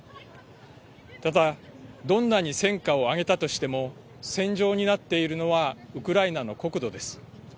ただ、どんなに戦果を上げたとしても戦場になっているのはウクライナの国土です。